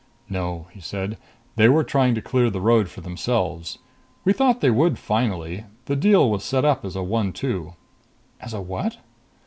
"No," he said. "They were trying to clear the road for themselves. We thought they would finally. The deal was set up as a one two." "As a what?"